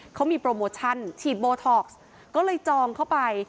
เขามีโปรโมชั่นฉีดโบท็อกซ์ก็เลยจองเข้าไป